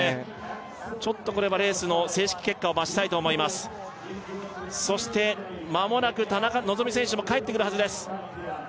ちょっとこれはレースの正式結果を待ちたいと思いますそしてまもなく田中希実選手も帰ってくるはずです